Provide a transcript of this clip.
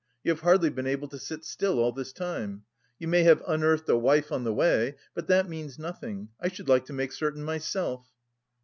You have hardly been able to sit still all this time.... You may have unearthed a wife on the way, but that means nothing. I should like to make certain myself."